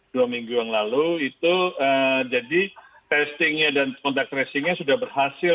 dua minggu yang lalu itu jadi testingnya dan kontak tracingnya sudah berhasil